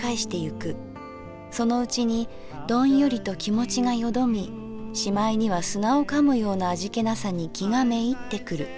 そのうちにドンヨリと気持がよどみしまいには砂を噛むような味気なさに気がめいってくる。